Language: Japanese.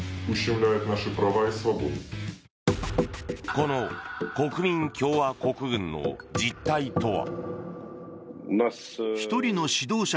この国民共和国軍の実態とは。